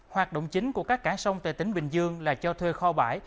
hoạt động chính của các cảng sông tại tỉnh bình dương là cho thuê kho bãi